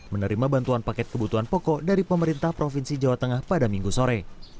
menerima bantuan paket kebutuhan pokok dari pemerintah provinsi jawa tengah pada minggu sore